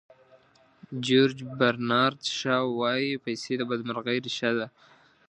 جیورج برنارد شاو وایي پیسې د بدمرغۍ ریښه ده.